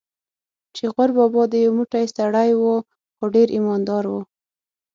چې غور بابا دې یو موټی سړی و، خو ډېر ایمان دار و.